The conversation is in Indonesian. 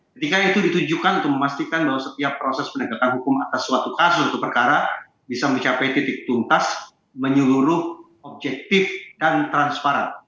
ketika itu ditujukan untuk memastikan bahwa setiap proses penegakan hukum atas suatu kasus atau perkara bisa mencapai titik tuntas menyeluruh objektif dan transparan